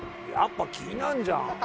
やっぱ気になんじゃん。